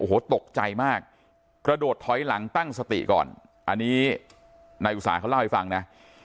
โอ้โหตกใจมากกระโดดถอยหลังตั้งสติก่อนอันนี้นายอุตสาหเขาเล่าให้ฟังนะ